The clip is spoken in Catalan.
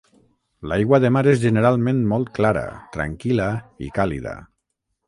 L'aigua de mar és generalment molt clara, tranquil·la i càlida.